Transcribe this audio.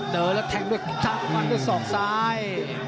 เต๋อแล้วแทงด้วยชักควันด้วยสอบซ้าย